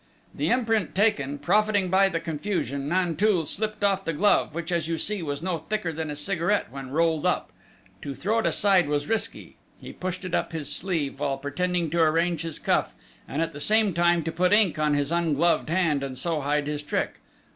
The imprint taken, profiting by the confusion, Nanteuil slipped off the glove which, as you see, was no thicker than a cigarette when rolled up.... To throw it aside was risky: he pushed it up his sleeve while pretending to arrange his cuff, and at the same time to put ink on his ungloved hand and so hide his trick!...